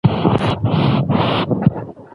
په استازیتوب